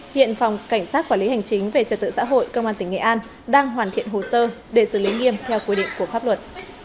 hiện phòng cảnh sát quản lý hành chính về trật tự xã hội công an tỉnh nghệ an đang hoàn thiện hồ sơ để xử lý nghiêm theo quy định của pháp luật